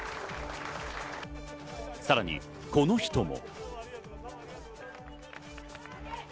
さらに、この人も。